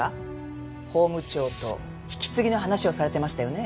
ホーム長と引き継ぎの話をされてましたよね？